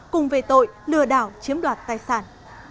cùng về tội lừa đảo chiếm đoạt tài sản